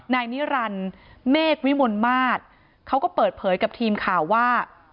นายนิรันดิ์เมฆวิมลมาตรเขาก็เปิดเผยกับทีมข่าวว่า